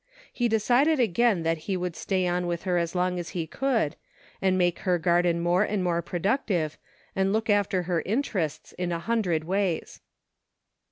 He de cided again that he would stay on with her as long as he could, and make her garden more and more productive, and look after her interests in a hun dred ways.